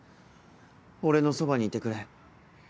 俺のそばにいてくれ。